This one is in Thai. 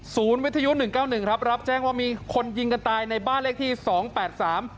วิทยุหนึ่งเก้าหนึ่งครับรับแจ้งว่ามีคนยิงกันตายในบ้านเลขที่สองแปดสาม